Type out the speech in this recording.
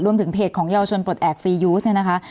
เพจของเยาวชนปลดแอบฟียูสเนี่ยนะคะ